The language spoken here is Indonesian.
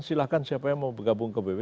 silahkan siapa yang mau bergabung ke pbb